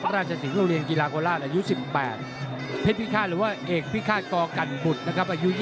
พระราชสิงห์โรงเรียนกีฬาโคราชอายุ๑๘